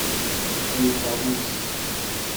کیکاووس